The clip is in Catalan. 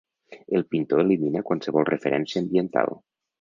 El pintor elimina qualsevol referència ambiental.